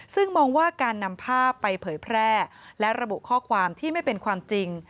ซึ่งมองว่าการนำภาพไปเผยแพร่และระบุข้อความที่ไม่เป็นความจริง